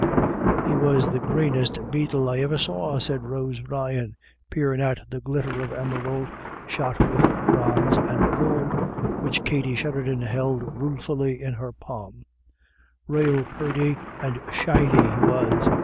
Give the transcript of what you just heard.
" He was the greenest beetle I iver saw," said Rose Ryan, peering at the glitter of emerald, shot with bronze and gold, which Katty Sheridan held ruefully on her palm ;" rael purty and shiny he was.